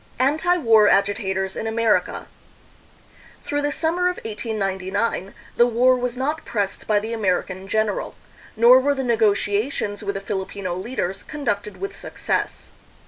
Anti War Agitators in America. Through the sum mer of 1899 the war was not pressed by the American general, nor were the negotiations with the Filipino leaders conducted with success.